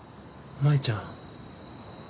舞ちゃん。